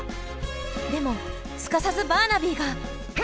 でもすかさずバーナビーが。